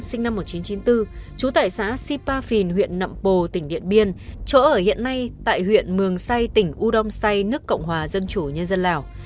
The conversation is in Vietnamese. sinh năm một nghìn chín trăm chín mươi bốn trú tại xã si pa phìn huyện nậm pồ tỉnh điện biên chỗ ở hiện nay tại huyện mường say tỉnh u đông say nước cộng hòa dân chủ nhân dân lào